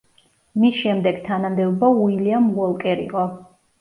მის შემდეგ თანამდებობა უილიამ უოლკერ იყო.